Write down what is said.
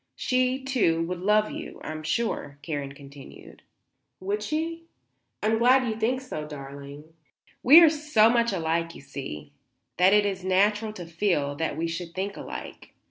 She, too, would love you, I am sure," Karen continued. "Would she? I'm glad you think so, darling." "We are so much alike, you see, that it is natural to feel sure that we should think alike.